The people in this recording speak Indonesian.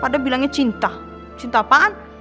pada bilangnya cinta cinta apaan